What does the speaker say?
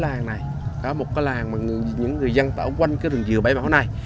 cái làng này có một cái làng mà những người dân tạo quanh cái rừng dừa bãi bão này